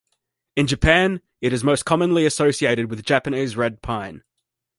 In Japan it is most commonly associated with Japanese red pine.